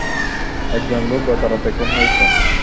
একজন লোক গতরাতে খুন হয়েছেন।